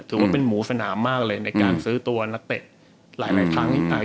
ถือว่าเป็นหมูสนามมากเลยในการซื้อตัวนักเตะหลายครั้งนี้ไป